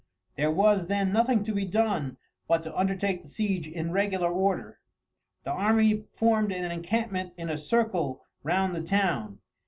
There was, then, nothing to be done but to undertake the siege in regular order. The army formed an encampment in a circle round the town.